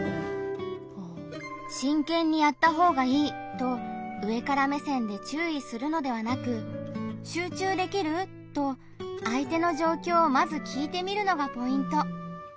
と上から目線で注意するのではなく「集中できる？」と相手の状況をまず聞いてみるのがポイント。